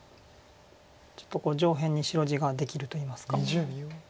ちょっと上辺に白地ができるといいますか。